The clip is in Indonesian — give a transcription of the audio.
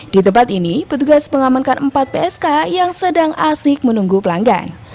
di tempat ini petugas mengamankan empat psk yang sedang asik menunggu pelanggan